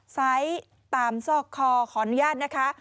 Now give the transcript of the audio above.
ซ้ายตามซอกขอขออนุญาตนะคะ